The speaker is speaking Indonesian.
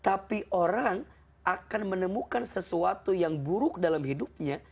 tapi orang akan menemukan sesuatu yang buruk dalam hidupnya